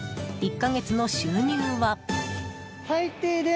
１か月の収入は。